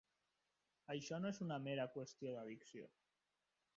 Això no és una mera qüestió d'addició.